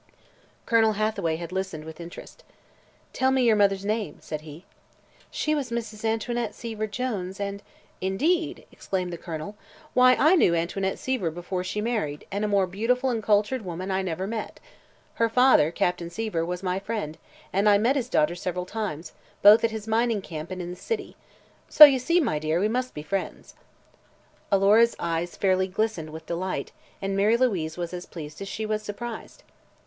Colonel Hathaway had listened with interest. "Tell me your mother's name," said he. "She was Mrs. Antoinette Seaver Jones, and " "Indeed!" exclaimed the Colonel. "Why, I knew Antoinette Seaver before she married, and a more beautiful and cultured woman I never met. Her father, Captain Seaver, was my friend, and I met his daughter several times, both at his mining camp and in the city. So you see, my dear, we must be friends." Alora's eyes fairly glistened with delight and Mary Louise was as pleased as she was surprised.